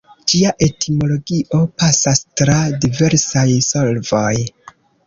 Ĝia etimologio pasas tra diversaj solvoj.